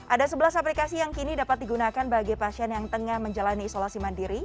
ada sebelas aplikasi yang kini dapat digunakan bagi pasien yang tengah menjalani isolasi mandiri